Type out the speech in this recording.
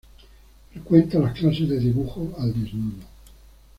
Frecuenta las clases de dibujo al desnudo.